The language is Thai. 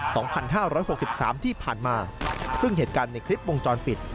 สองพันห้าร้อยหกสิบสามที่ผ่านมาซึ่งเหตุการณ์ในคลิปวงจรปิด